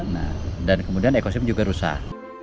nah dan kemudian ekosistem juga rusak